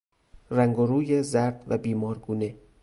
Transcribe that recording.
رنگ و روی زرد و بیمارگونه